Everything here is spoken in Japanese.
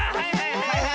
はいはい。